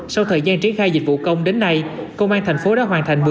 sau thời gian triển khai dịch vụ công đến nay công an thành phố đã hoàn thành